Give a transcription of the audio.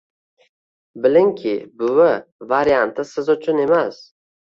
bilingki, “buvi” varianti siz uchun emas.